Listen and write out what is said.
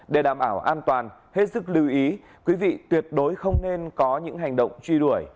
để đảm bảo an toàn hết sức lưu ý quý vị tuyệt đối không nên có những hành động truy đuổi